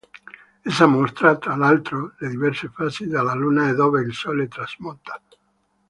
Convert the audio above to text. Essa mostra, tra l'altro, le diverse fasi della luna e dove il sole tramonta.